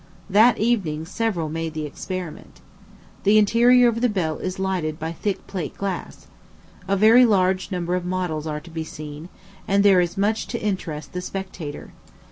That evening several made the experiment. The interior of the bell is lighted by thick plate glass. A very large number of models are to be seen, and there is much to interest the spectator.